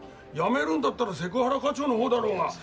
辞めるんだったらセクハラ課長の方だろうが！